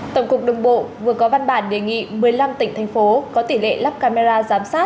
tổng cục đồng bộ vừa có văn bản đề nghị một mươi năm tỉnh thành phố có tỷ lệ lắp camera giám sát